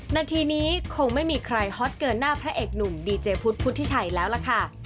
นาทีนี้คงไม่มีใครฮอตเกินหน้าพระเอกหนุ่มดีเจพุทธพุทธิชัยแล้วล่ะค่ะ